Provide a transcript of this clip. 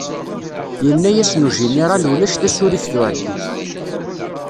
Yenna-yasen ujiniral ulac tasurift uɛeddi.